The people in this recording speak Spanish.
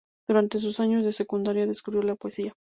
Durante sus años de su secundaria descubrió la poesía.